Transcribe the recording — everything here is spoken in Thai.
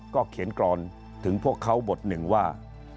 เขียนกรอนถึงพวกเขาบทหนึ่งว่า